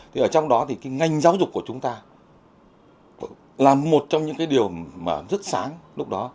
thế ở trong đó thì cái ngành giáo dục của chúng ta là một trong những cái điều mà rất sáng lúc đó